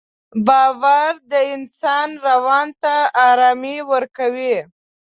باور د انسان روان ته ارامي ورکوي.